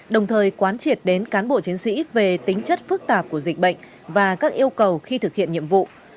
đồng thời quán triệt đến cán bộ chiến sĩ về tính chất phức tạp của dịch bệnh và các yêu cầu khi thực hiện nhiệm vụ